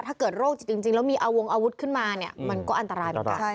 ถ้าเกิดโรคจริงแล้วมีเอาวงอาวุธขึ้นมามันก็อันตราย